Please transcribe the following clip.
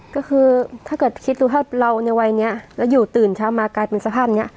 ก็คือถ้าเกิดคิดว่าเราในวัยเนี้ยแล้วอยู่ตื่นเช้ามากลายเป็นสักพันธุ์เนี้ย